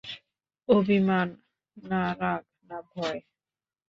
অভিমান, না রাগ, না ভয়?